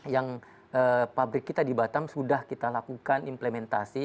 yang pabrik kita di batam sudah kita lakukan implementasi